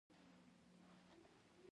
د کاریز پاکول حشر غواړي؟